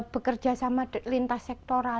bekerja sama lintas sektoral